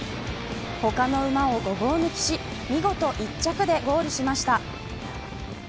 他の馬をごぼう抜きし見事、１着でゴールしました。